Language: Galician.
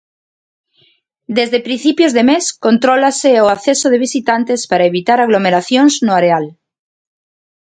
Desde principios de mes contrólase o acceso de visitantes para evitar aglomeracións no areal.